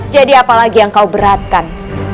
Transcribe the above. jadi apalagi yang kau beratkan